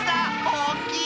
おおきい！